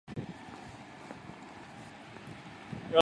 そうだろう、早くどこか室の中に入りたいもんだな